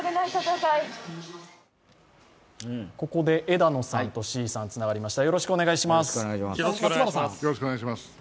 枝野さんと志位さんつながりました。